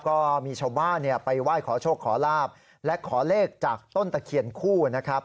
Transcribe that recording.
ก็มีชาวบ้านเนี่ยไปไหว้ขอโชคขอลาบและขอเลขจากต้นตะเคียนคู่นะครับ